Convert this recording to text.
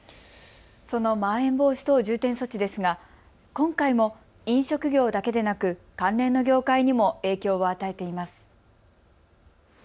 そのまん延防止等重点措置ですが今回も飲食業だけでなく関連の業界にも影響を与えています。